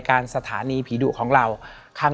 และวันนี้แขกรับเชิญที่จะมาเชิญที่เรา